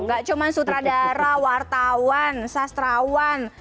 gak cuma sutradara wartawan sastrawan